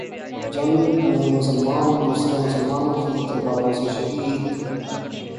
جنگ میں مسلمان دوسرے مسلمانوں کی تلواروں سے شہید